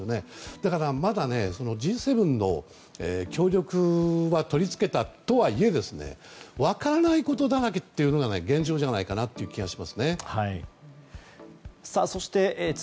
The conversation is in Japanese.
だから、まだＧ７の協力は取りつけたとはいえ分からないことだらけというのが現状じゃないかなという気がします。